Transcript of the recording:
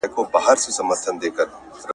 ايا ازاده مطالعه د فکري ودې يوازنۍ لاره ده؟